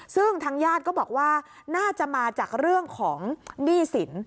ซึ่งทางญาติก็บอกว่าน่าจะมาจากเรื่องของหนี้สิน